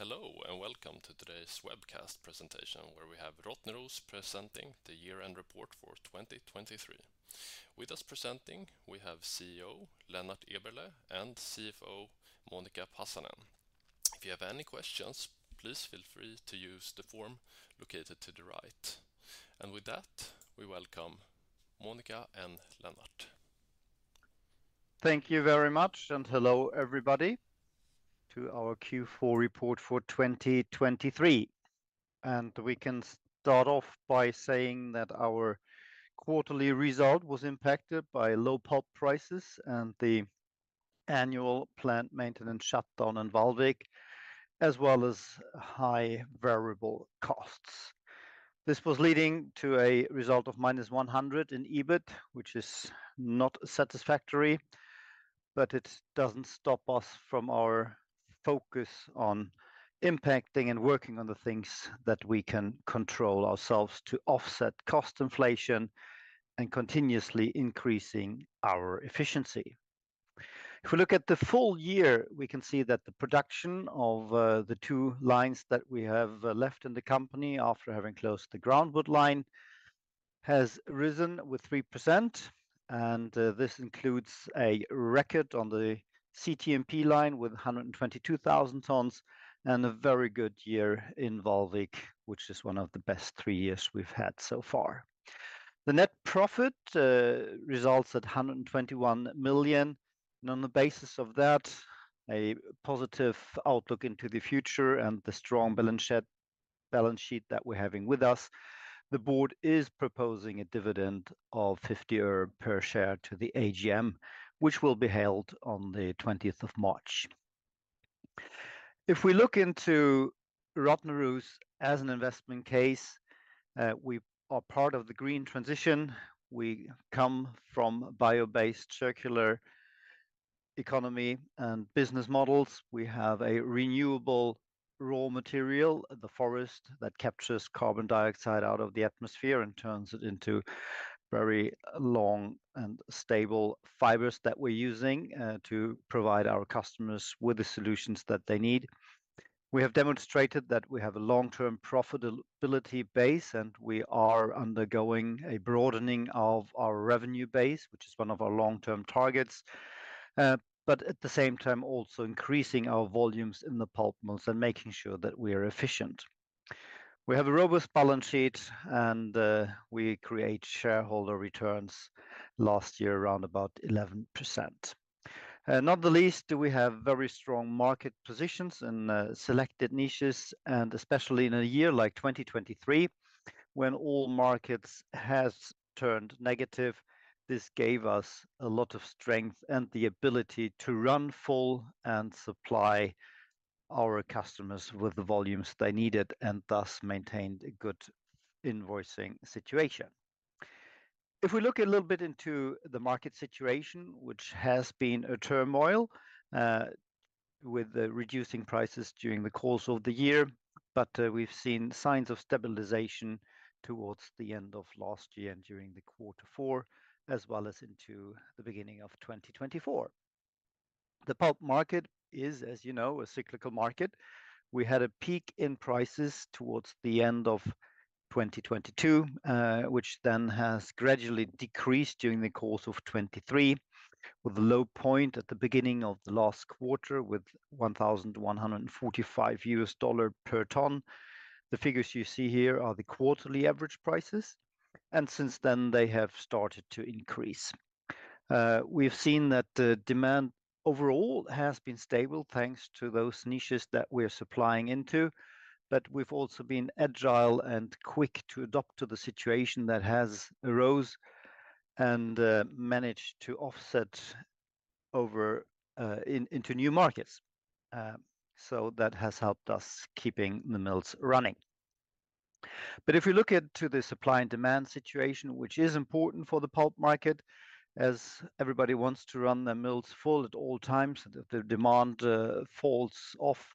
Hello, and welcome to today's webcast presentation, where we have Rottneros presenting the year-end report for 2023. With us presenting, we have CEO Lennart Eberleh and CFO Monica Pasanen. If you have any questions, please feel free to use the form located to the right. With that, we welcome Monica and Lennart. Thank you very much, and hello, everybody, to our Q4 report for 2023. We can start off by saying that our quarterly result was impacted by low pulp prices and the annual plant maintenance shutdown in Vallvik, as well as high variable costs. This was leading to a result of -100 in EBIT, which is not satisfactory, but it doesn't stop us from our focus on impacting and working on the things that we can control ourselves to offset cost inflation and continuously increasing our efficiency. If we look at the full year, we can see that the production of the two lines that we have left in the company, after having closed the groundwood line, has risen 3%, and this includes a record on the CTMP line with 122,000 tons, and a very good year in Vallvik, which is one of the best three years we've had so far. The net profit results at 121 million, and on the basis of that, a positive outlook into the future and the strong balance sheet that we're having with us, the board is proposing a dividend of 50 öre per share to the AGM, which will be held on the twentieth of March. If we look into Rottneros as an investment case, we are part of the green transition. We come from bio-based, circular economy and business models. We have a renewable raw material, the forest, that captures carbon dioxide out of the atmosphere and turns it into very long and stable fibers that we're using to provide our customers with the solutions that they need. We have demonstrated that we have a long-term profitability base, and we are undergoing a broadening of our revenue base, which is one of our long-term targets, but at the same time, also increasing our volumes in the pulp mills and making sure that we are efficient. We have a robust balance sheet, and, we create shareholder returns. Last year, around about 11%. Not the least, do we have very strong market positions in selected niches, and especially in a year like 2023, when all markets has turned negative, this gave us a lot of strength and the ability to run full and supply our customers with the volumes they needed, and thus maintained a good invoicing situation. If we look a little bit into the market situation, which has been a turmoil with the reducing prices during the course of the year, but we've seen signs of stabilization towards the end of last year and during the quarter four, as well as into the beginning of 2024. The pulp market is, as you know, a cyclical market. We had a peak in prices towards the end of 2022, which then has gradually decreased during the course of 2023, with a low point at the beginning of the last quarter, with $1,145 per ton. The figures you see here are the quarterly average prices, and since then, they have started to increase. We've seen that the demand overall has been stable, thanks to those niches that we're supplying into, but we've also been agile and quick to adapt to the situation that has arose and managed to offset over into new markets. So that has helped us keeping the mills running. But if you look into the supply and demand situation, which is important for the pulp market, as everybody wants to run their mills full at all times, the demand falls off.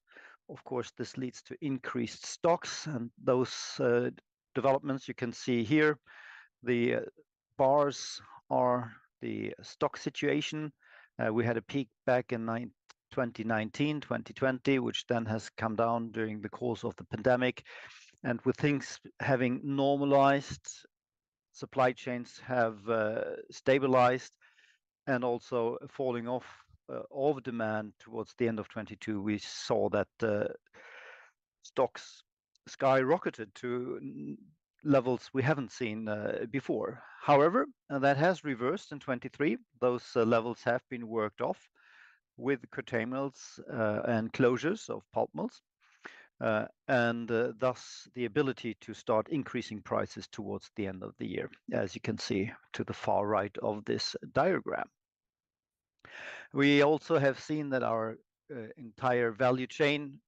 Of course, this leads to increased stocks and those developments you can see here. The bars are the stock situation. We had a peak back in 2019, 2020, which then has come down during the course of the pandemic. And with things having normalized, supply chains have stabilized, and also falling off overdemand towards the end of 2022, we saw that stocks skyrocketed to new levels we haven't seen before. However, that has reversed in 2023. Those levels have been worked off with curtailments and closures of pulp mills and thus the ability to start increasing prices towards the end of the year, as you can see to the far right of this diagram. We also have seen that our entire value chain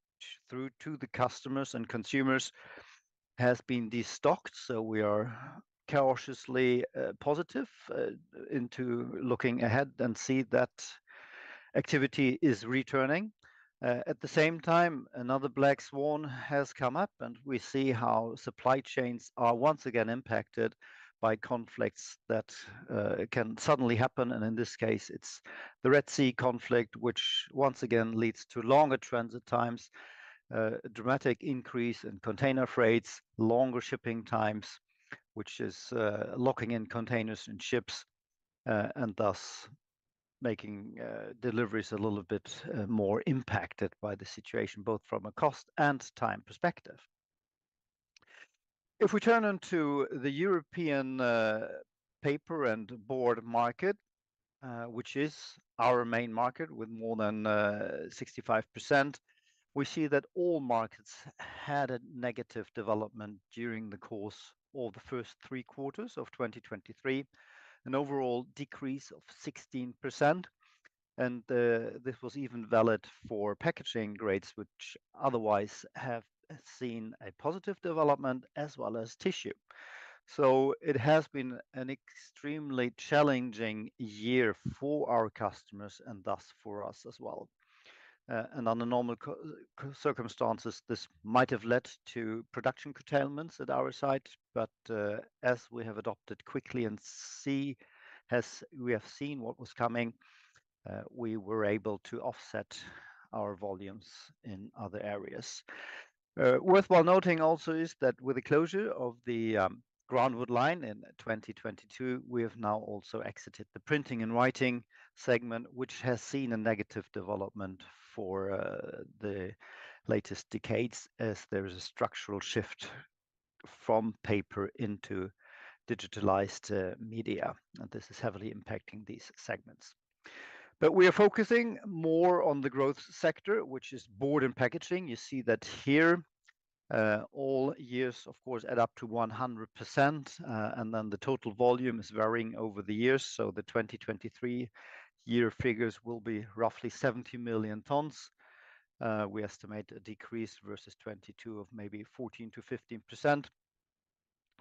through to the customers and consumers has been destocked, so we are cautiously positive into looking ahead and see that activity is returning. At the same time, another black swan has come up, and we see how supply chains are once again impacted by conflicts that can suddenly happen, and in this case, it's the Red Sea conflict, which once again leads to longer transit times, a dramatic increase in container freights, longer shipping times, which is locking in containers and ships, and thus making deliveries a little bit more impacted by the situation, both from a cost and time perspective. If we turn to the European paper and board market, which is our main market with more than 65%, we see that all markets had a negative development during the course of the first three quarters of 2023, an overall decrease of 16%, and this was even valid for packaging grades, which otherwise have seen a positive development as well as tissue. So it has been an extremely challenging year for our customers and thus for us as well. Under normal circumstances, this might have led to production curtailments at our site, but as we have adopted quickly and we have seen what was coming, we were able to offset our volumes in other areas. Worthwhile noting also is that with the closure of the groundwood line in 2022, we have now also exited the printing and writing segment, which has seen a negative development for the latest decades, as there is a structural shift from paper into digitalized media, and this is heavily impacting these segments. But we are focusing more on the growth sector, which is board and packaging. You see that here all years, of course, add up to 100%, and then the total volume is varying over the years, so the 2023 year figures will be roughly 70 million tons. We estimate a decrease versus 2022 of maybe 14%-15%.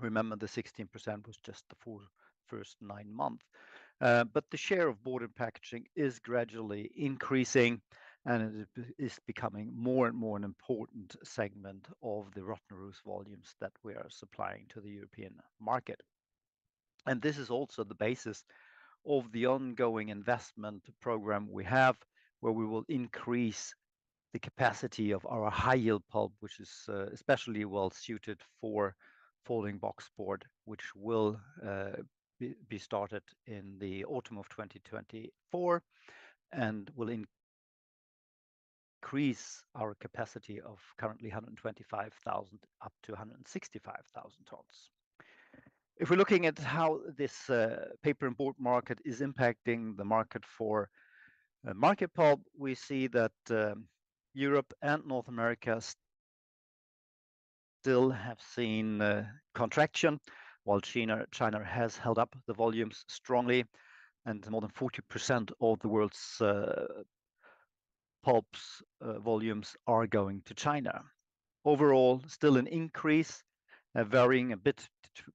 Remember, the 16% was just the four first nine months. But the share of board and packaging is gradually increasing, and it is becoming more and more an important segment of the Rottneros volumes that we are supplying to the European market. And this is also the basis of the ongoing investment program we have, where we will increase the capacity of our high-yield pulp, which is especially well-suited for folding box board, which will be started in the autumn of 2024 and will increase our capacity of currently 125,000 up to 165,000 tons. If we're looking at how this, paper and board market is impacting the market for, market pulp, we see that, Europe and North America still have seen, contraction, while China has held up the volumes strongly, and more than 40% of the world's, pulps, volumes are going to China. Overall, still an increase, varying a bit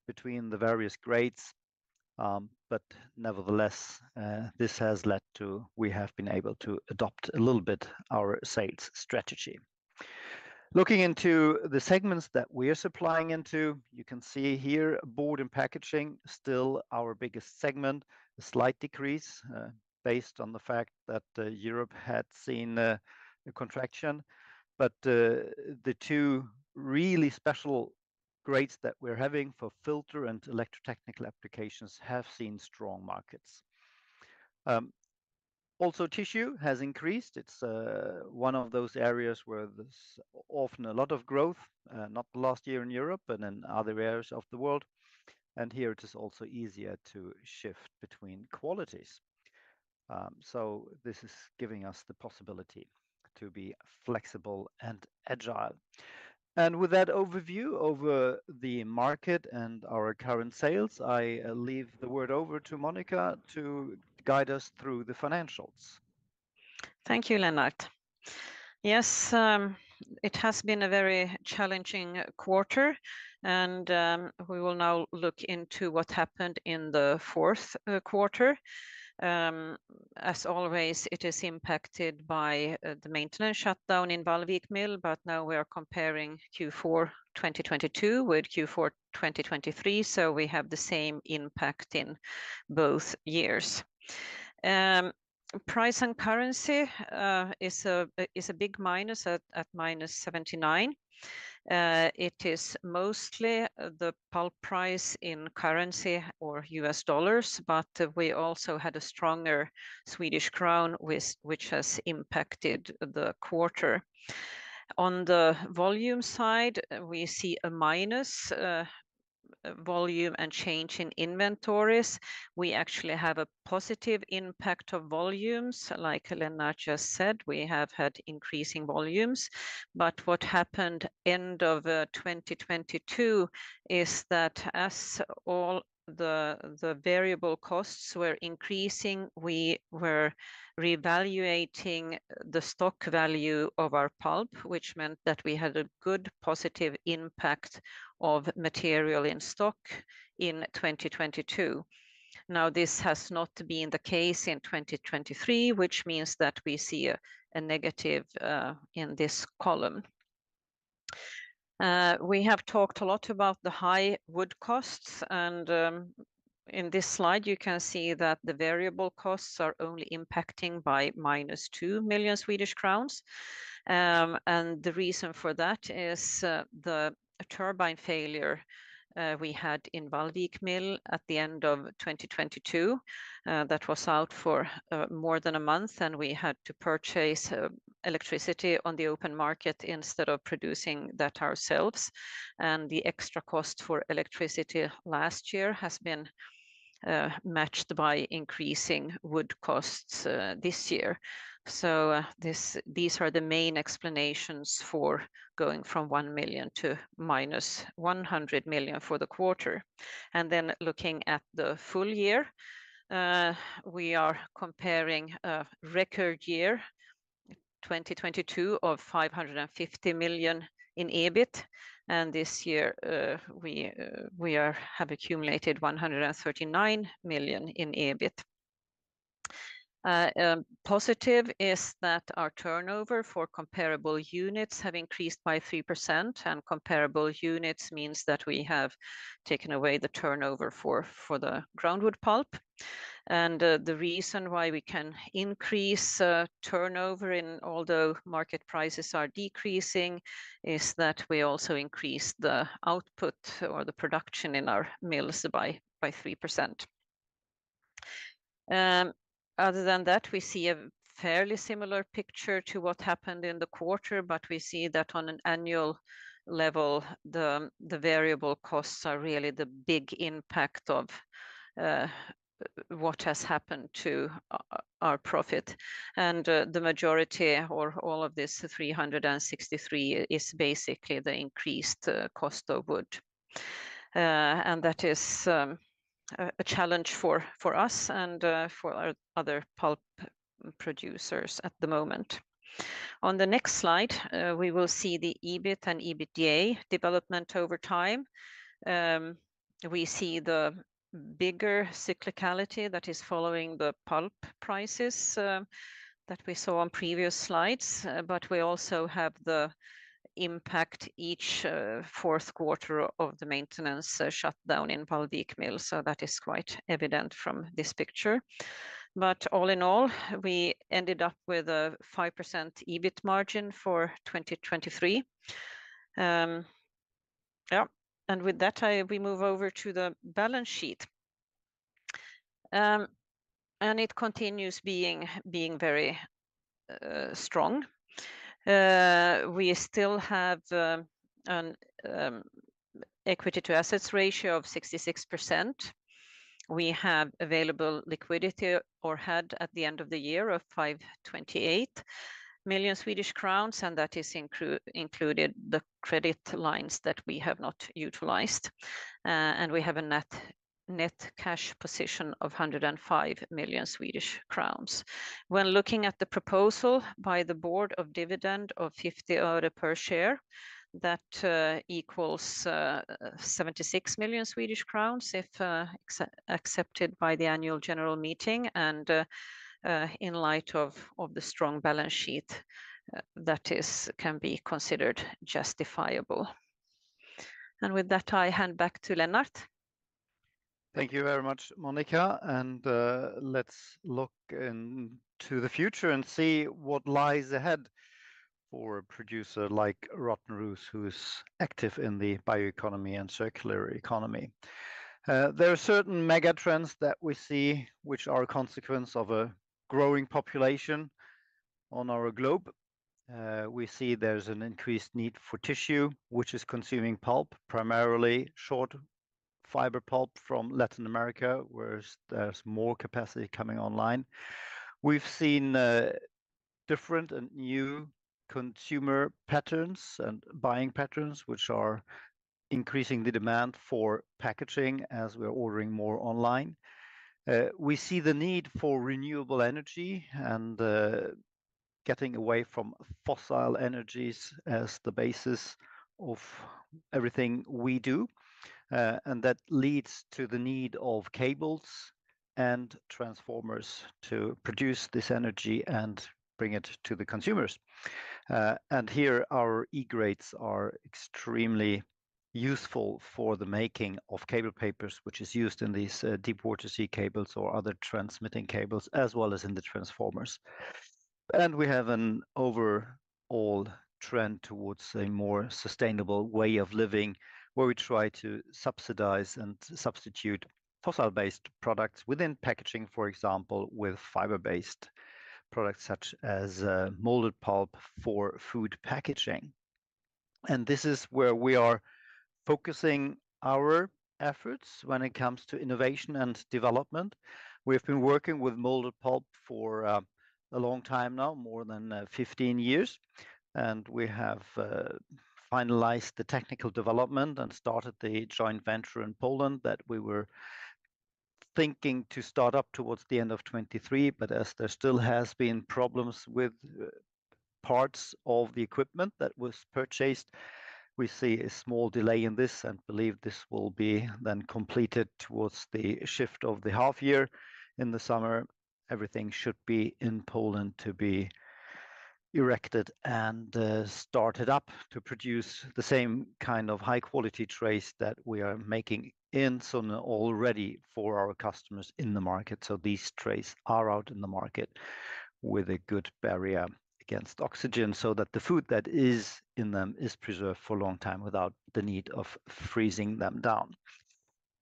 between the various grades, but nevertheless, this has led to we have been able to adopt a little bit our sales strategy. Looking into the segments that we are supplying into, you can see here board and packaging, still our biggest segment, a slight decrease, based on the fact that, Europe had seen a contraction. But, the two really special grades that we're having for filter and electrotechnical applications have seen strong markets. Also, tissue has increased. It's one of those areas where there's often a lot of growth, not last year in Europe, but in other areas of the world, and here it is also easier to shift between qualities. This is giving us the possibility to be flexible and agile. With that overview over the market and our current sales, I leave the word over to Monica to guide us through the financials. Thank you, Lennart. Yes, it has been a very challenging quarter, and we will now look into what happened in the fourth quarter. As always, it is impacted by the maintenance shutdown in Vallvik Mill, but now we are comparing Q4 2022 with Q4 2023, so we have the same impact in both years. Price and currency is a big minus at -79. It is mostly the pulp price in currency or U.S. dollars, but we also had a stronger Swedish crown, which has impacted the quarter. On the volume side, we see a minus volume and change in inventories. We actually have a positive impact of volumes. Like Lennart just said, we have had increasing volumes. But what happened end of 2022 is that as all the variable costs were increasing, we were reevaluating the stock value of our pulp, which meant that we had a good positive impact of material in stock in 2022. Now, this has not been the case in 2023, which means that we see a negative in this column. We have talked a lot about the high wood costs, and in this slide, you can see that the variable costs are only impacting by -2 million Swedish crowns. And the reason for that is the turbine failure we had in Vallvik Mill at the end of 2022 that was out for more than a month, and we had to purchase electricity on the open market instead of producing that ourselves. The extra cost for electricity last year has been matched by increasing wood costs this year. So, these are the main explanations for going from 1 million to -100 million for the quarter. Then looking at the full year, we are comparing a record year, 2022, of 550 million in EBIT, and this year, we have accumulated 139 million in EBIT. Positive is that our turnover for comparable units have increased by 3%, and comparable units means that we have taken away the turnover for the groundwood pulp. The reason why we can increase turnover, although market prices are decreasing, is that we also increase the output or the production in our mills by 3%. Other than that, we see a fairly similar picture to what happened in the quarter, but we see that on an annual level, the variable costs are really the big impact of what has happened to our profit. And the majority or all of this, the 363, is basically the increased cost of wood. And that is a challenge for us and for other pulp producers at the moment. On the next slide, we will see the EBIT and EBITDA development over time. We see the bigger cyclicality that is following the pulp prices that we saw on previous slides, but we also have the impact each fourth quarter of the maintenance shut down in Vallvik Mill, so that is quite evident from this picture. But all in all, we ended up with a 5% EBIT margin for 2023. Yeah, and with that, we move over to the balance sheet. And it continues being very strong. We still have an equity to assets ratio of 66%. We have available liquidity, or had at the end of the year, of 528 million Swedish crowns, and that is included the credit lines that we have not utilized. And we have a net cash position of 105 million Swedish crowns. When looking at the proposal by the board of dividend of 50 öre per share, that equals 76 million Swedish crowns, if accepted by the annual general meeting, and in light of the strong balance sheet, that can be considered justifiable. With that, I hand back to Lennart. Thank you very much, Monica, and let's look into the future and see what lies ahead for a producer like Rottneros, who is active in the bioeconomy and circular economy. There are certain megatrends that we see which are a consequence of a growing population on our globe. We see there's an increased need for tissue, which is consuming pulp, primarily short fiber pulp from Latin America, whereas there's more capacity coming online. We've seen different and new consumer patterns and buying patterns, which are increasing the demand for packaging as we're ordering more online. We see the need for renewable energy and getting away from fossil energies as the basis of everything we do. And that leads to the need of cables and transformers to produce this energy and bring it to the consumers. And here, our E-Grade is extremely useful for the making of cable papers, which is used in these, deep water sea cables or other transmitting cables, as well as in the transformers. We have an overall trend towards a more sustainable way of living, where we try to subsidize and substitute fossil-based products within packaging, for example, with fiber-based products such as, molded pulp for food packaging. And this is where we are focusing our efforts when it comes to innovation and development. We have been working with molded pulp for, a long time now, more than, 15 years, and we have, finalized the technical development and started the joint venture in Poland that we were thinking to start up towards the end of 2023. But as there still has been problems with parts of the equipment that was purchased, we see a small delay in this and believe this will be then completed towards the shift of the half year. In the summer, everything should be in Poland to be erected and started up to produce the same kind of high-quality trays that we are making in Sunne already for our customers in the market. So these trays are out in the market with a good barrier against oxygen, so that the food that is in them is preserved for a long time without the need of freezing them down.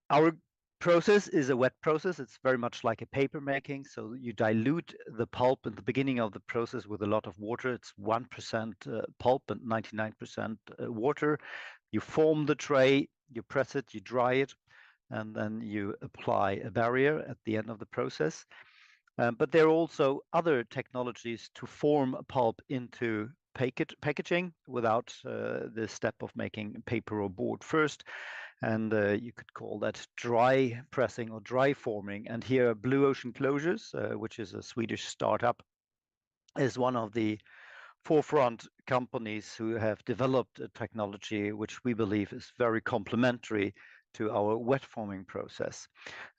Our process is a wet process. It's very much like a paper making, so you dilute the pulp at the beginning of the process with a lot of water. It's 1% pulp and 99% water. You form the tray, you press it, you dry it, and then you apply a barrier at the end of the process. But there are also other technologies to form a pulp into packaging without the step of making paper or board first, and you could call that dry pressing or dry forming. And here are Blue Ocean Closures, which is a Swedish startup, is one of the forefront companies who have developed a technology, which we believe is very complementary to our wet forming process.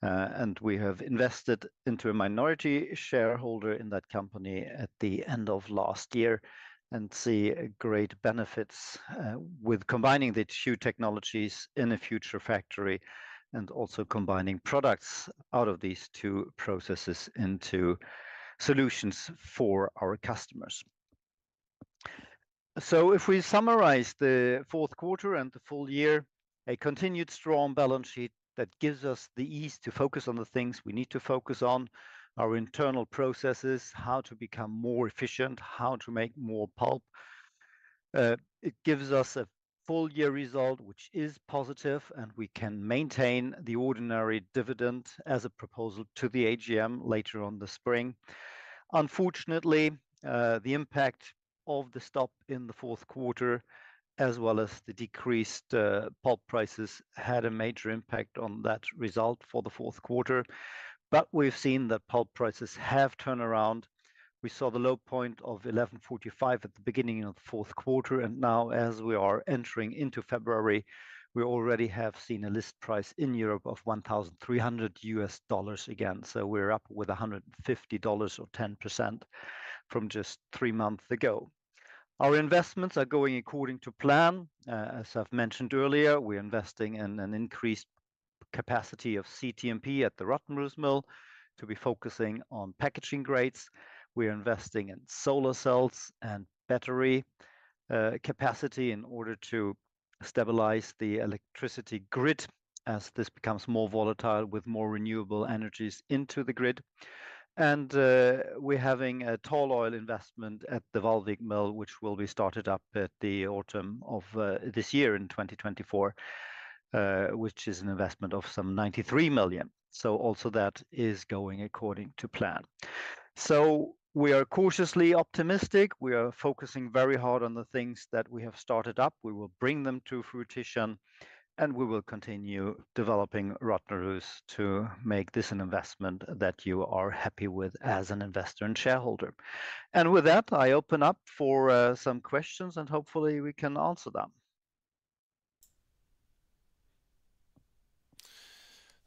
And we have invested as a minority shareholder in that company at the end of last year, and see great benefits with combining the two technologies in a future factory, and also combining products out of these two processes into solutions for our customers. So if we summarize the fourth quarter and the full year, a continued strong balance sheet that gives us the ease to focus on the things we need to focus on, our internal processes, how to become more efficient, how to make more pulp. It gives us a full year result, which is positive, and we can maintain the ordinary dividend as a proposal to the AGM later on the spring. Unfortunately, the impact of the stop in the fourth quarter, as well as the decreased pulp prices, had a major impact on that result for the fourth quarter. But we've seen that pulp prices have turned around. We saw the low point of $1,145 at the beginning of the fourth quarter, and now as we are entering into February, we already have seen a list price in Europe of $1,300 again. So we're up with $150 or 10% from just three months ago. Our investments are going according to plan. As I've mentioned earlier, we're investing in an increased capacity of CTMP at the Rottneros Mill to be focusing on packaging grades. We're investing in solar cells and battery capacity in order to stabilize the electricity grid as this becomes more volatile, with more renewable energies into the grid. We're having a tall oil investment at the Vallvik Mill, which will be started up in the autumn of this year, in 2024, which is an investment of some 93 million. So also that is going according to plan. So we are cautiously optimistic. We are focusing very hard on the things that we have started up. We will bring them to fruition, and we will continue developing Rottneros to make this an investment that you are happy with as an investor and shareholder. And with that, I open up for some questions, and hopefully, we can answer them.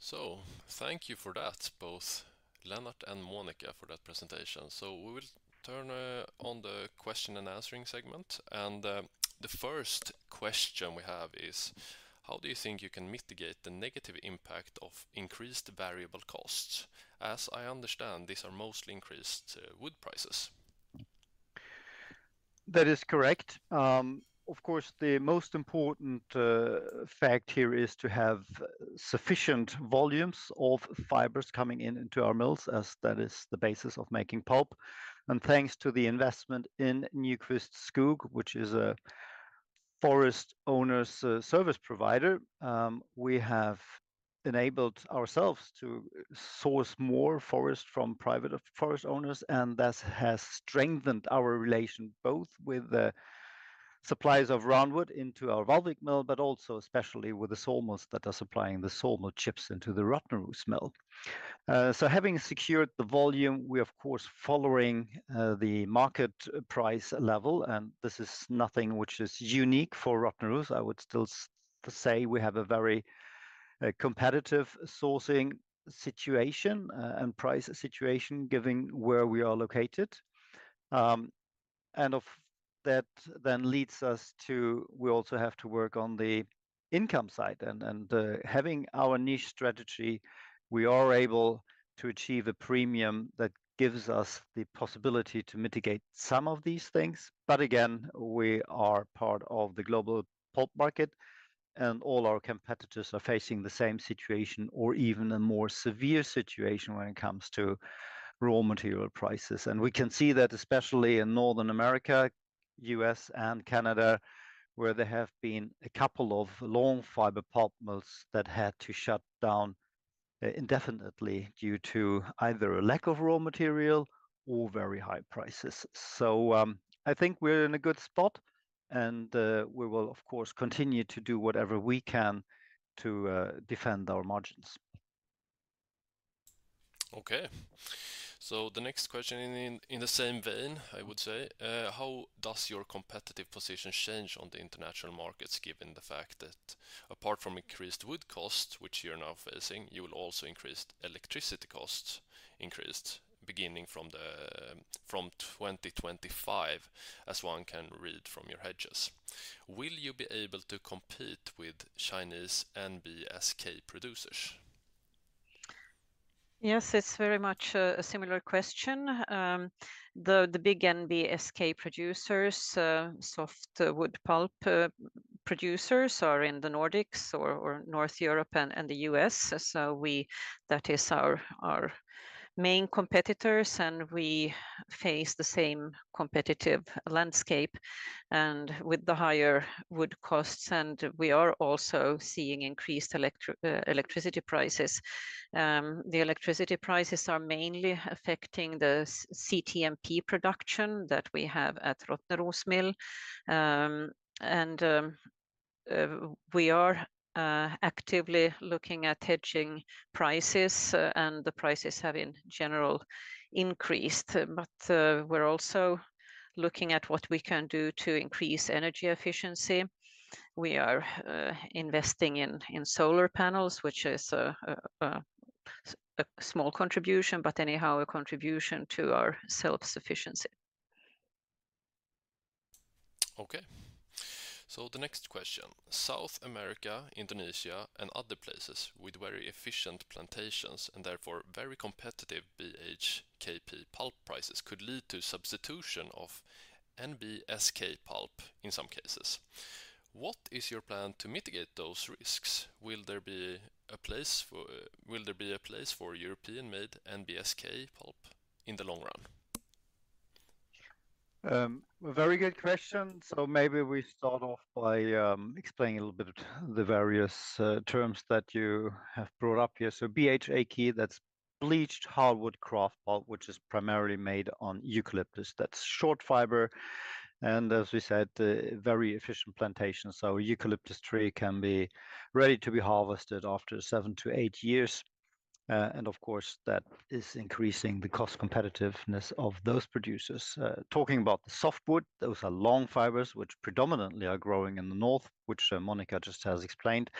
So thank you for that, both Lennart and Monica, for that presentation. So we will turn on the question and answering segment, and the first question we have is: How do you think you can mitigate the negative impact of increased variable costs? As I understand, these are mostly increased wood prices. That is correct. Of course, the most important fact here is to have sufficient volumes of fibers coming in into our mills, as that is the basis of making pulp. And thanks to the investment in Nykvist Skogs, which is a forest owners service provider, we have enabled ourselves to source more forest from private forest owners, and that has strengthened our relation, both with the suppliers of roundwood into our Vallvik Mill, but also especially with the sawmills that are supplying the sawmill chips into the Rottneros Mill. So having secured the volume, we are, of course, following the market price level, and this is nothing which is unique for Rottneros. I would still say we have a very competitive sourcing situation and price situation, given where we are located. And of... That then leads us to, we also have to work on the income side. And having our niche strategy, we are able to achieve a premium that gives us the possibility to mitigate some of these things. But again, we are part of the global pulp market, and all our competitors are facing the same situation or even a more severe situation when it comes to raw material prices. And we can see that, especially in North America, U.S., and Canada, where there have been a couple of long fiber pulp mills that had to shut down indefinitely due to either a lack of raw material or very high prices. So, I think we're in a good spot, and we will, of course, continue to do whatever we can to defend our margins. Okay, so the next question in the same vein, I would say: How does your competitive position change on the international markets, given the fact that apart from increased wood costs, which you're now facing, you will also increase electricity costs? Increased beginning from 2025, as one can read from your hedges. Will you be able to compete with Chinese NBSK producers? Yes, it's very much a similar question. The big NBSK producers, softwood pulp producers are in the Nordics or North Europe and the U.S.. So we, that is our main competitors, and we face the same competitive landscape and with the higher wood costs, and we are also seeing increased electricity prices. The electricity prices are mainly affecting the CTMP production that we have at Rottneros Mill. We are actively looking at hedging prices, and the prices have, in general, increased. But, we're also looking at what we can do to increase energy efficiency. We are investing in solar panels, which is a small contribution, but anyhow, a contribution to our self-sufficiency. Okay. So the next question, South America, Indonesia, and other places with very efficient plantations, and therefore very competitive BHKP pulp prices could lead to substitution of NBSK pulp in some cases. What is your plan to mitigate those risks? Will there be a place for, will there be a place for European-made NBSK pulp in the long run? A very good question. So maybe we start off by, explaining a little bit the various, terms that you have brought up here. So BHKP, that's bleached hardwood kraft pulp, which is primarily made on eucalyptus. That's short fiber, and as we said, a very efficient plantation. So eucalyptus tree can be ready to be harvested after seven to eight years, and of course, that is increasing the cost competitiveness of those producers. Talking about the softwood, those are long fibers, which predominantly are growing in the north, which, Monica just has explained.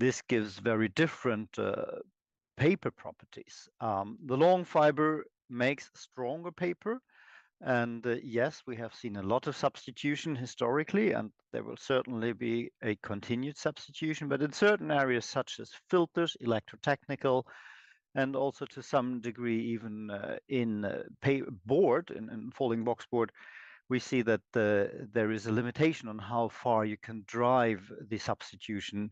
This gives very different, paper properties. The long fiber makes stronger paper, and, yes, we have seen a lot of substitution historically, and there will certainly be a continued substitution. But in certain areas, such as filters, electrotechnical, and also to some degree even in paperboard, in folding boxboard, we see that there is a limitation on how far you can drive the substitution,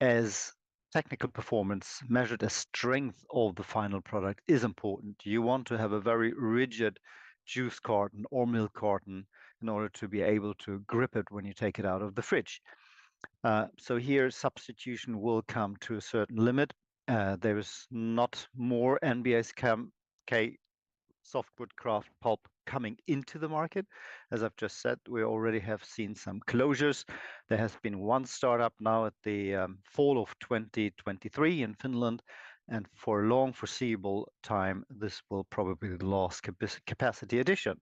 as technical performance, measured as strength of the final product, is important. You want to have a very rigid juice carton or milk carton in order to be able to grip it when you take it out of the fridge. So here, substitution will come to a certain limit. There is not more NBSK softwood kraft pulp coming into the market. As I've just said, we already have seen some closures. There has been one startup now at the fall of 2023 in Finland, and for a long foreseeable time, this will probably be the last capacity addition.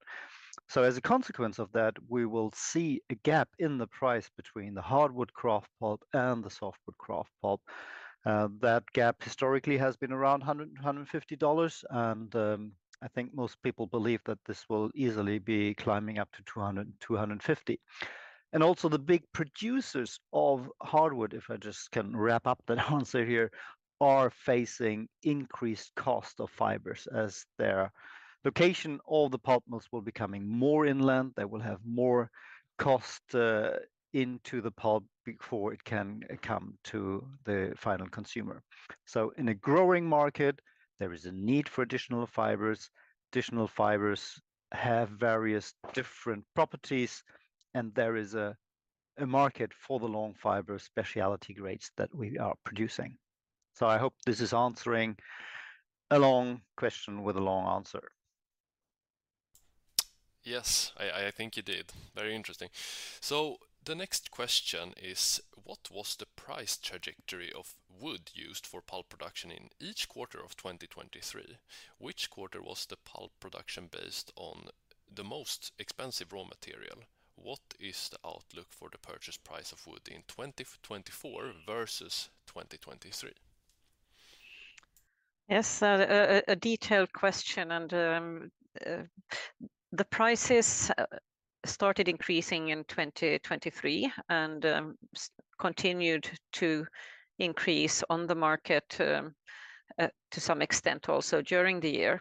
So as a consequence of that, we will see a gap in the price between the hardwood kraft pulp and the softwood kraft pulp. That gap historically has been around $100-$150, and I think most people believe that this will easily be climbing up to $200-$250. And also, the big producers of hardwood, if I just can wrap up the answer here, are facing increased cost of fibers as their location, all the pulp mills will be coming more inland. They will have more cost into the pulp before it can come to the final consumer. So in a growing market, there is a need for additional fibers. Additional fibers have various different properties, and there is a market for the long fiber specialty grades that we are producing. I hope this is answering a long question with a long answer. Yes, I think you did. Very interesting. So the next question is, what was the price trajectory of wood used for pulp production in each quarter of 2023? Which quarter was the pulp production based on the most expensive raw material? What is the outlook for the purchase price of wood in 2024 versus 2023? Yes, a detailed question, and the prices started increasing in 2023 and continued to increase on the market to some extent also during the year.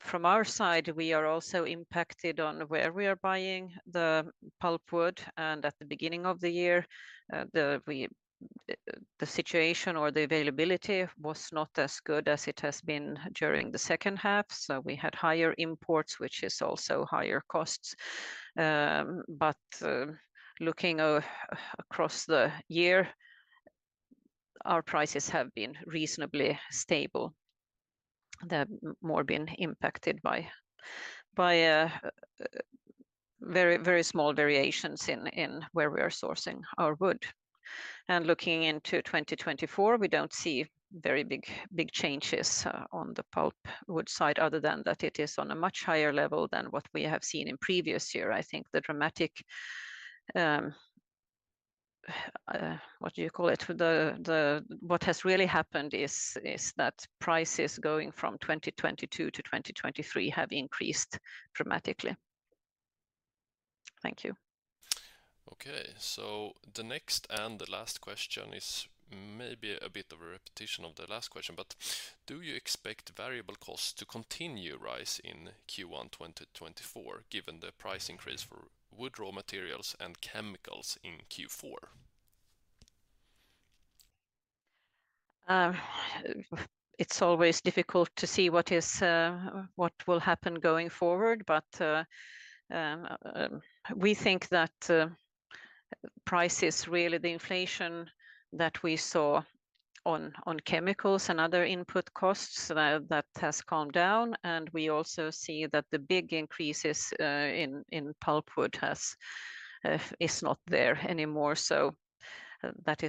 From our side, we are also impacted on where we are buying the pulpwood, and at the beginning of the year, the situation or the availability was not as good as it has been during the second half. So we had higher imports, which is also higher costs. But looking across the year, our prices have been reasonably stable. They've more been impacted by very, very small variations in where we are sourcing our wood. Looking into 2024, we don't see very big, big changes on the pulpwood side, other than that it is on a much higher level than what we have seen in previous year. I think the dramatic, what do you call it? What has really happened is that prices going from 2022-2023 have increased dramatically. Thank you. Okay, so the next and the last question is maybe a bit of a repetition of the last question, but do you expect variable costs to continue to rise in Q1 2024, given the price increase for wood raw materials and chemicals in Q4? It's always difficult to see what will happen going forward, but we think that prices, really the inflation that we saw on chemicals and other input costs, that has calmed down. We also see that the big increases in pulpwood is not there anymore. So that-